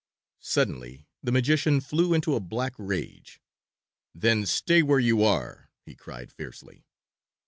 Suddenly the magician flew into a black rage. "Then stay where you are," he cried fiercely.